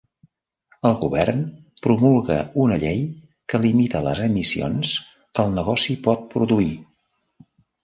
El Govern promulga una llei que limita les emissions que el negoci pot produir.